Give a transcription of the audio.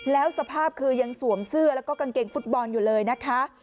แล้วสภาพคือยังสวมเสื้อแล้วก็กางเกงฟุตบอลอยู่เลยนะคะ